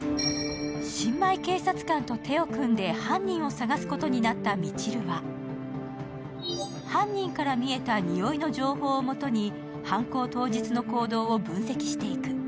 新米警察官と手を組んで犯人を捜すことになったみちるは、犯人から見えた匂いの情報をもとに犯行当日の行動を分析していく。